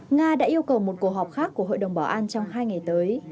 nga đã yêu cầu một cuộc họp khác của hội đồng bảo an trong hai ngày tới